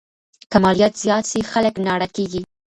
که مالیات زیات سي خلګ ناړه کیږي.